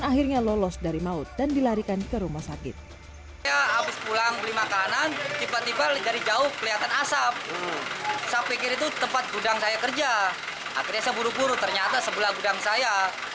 akhirnya saya buru buru ternyata sebelah gudang saya